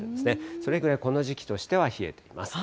それぐらい、この時期としては冷えています。